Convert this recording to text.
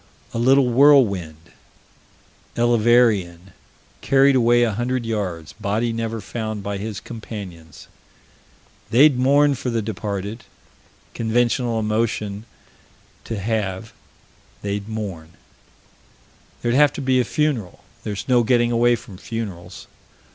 A little whirlwind Elverean carried away a hundred yards body never found by his companions. They'd mourn for the departed. Conventional emotion to have: they'd mourn. There'd have to be a funeral: there's no getting away from funerals.